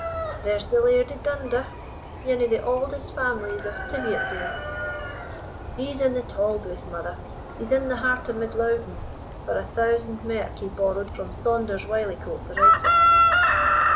"There's the Laird o' Dunder, ane o' the auldest families in Tiviotdale." "He's in the tolbooth, mother he's in the Heart of Mid Louden for a thousand merk he borrowed from Saunders Wyliecoat the writer."